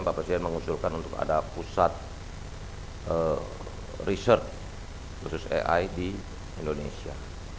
bapak presiden mengusulkan untuk ada pusat riset khusus ai di indonesia